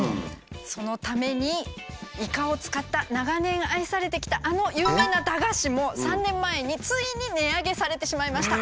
そのためにイカを使った長年愛されてきたあの有名な駄菓子も３年前についに値上げされてしまいました。